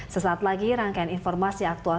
sesaat lagi rangkaian informasi aktual